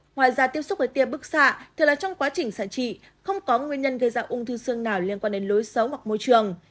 ngoài ra tiếp xúc với tia bức xạ thường là trong quá trình xạ trị không có nguyên nhân gây ra ung thư xương nào liên quan đến lối xấu hoặc môi trường